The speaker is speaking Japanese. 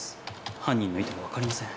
犯人の意図が分かりません。